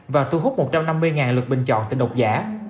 và thu hút một trăm năm mươi lượt bình chọn từ độc giả